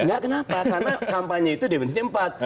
enggak kenapa karena kampanye itu definisinya empat